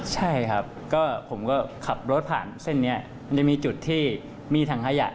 ใช่ครับก็ผมก็ขับรถผ่านเส้นนี้มันจะมีจุดที่มีถังขยะ